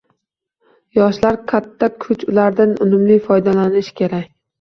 Yoshlar katta kuch, ulardan unumli foydalanish kerak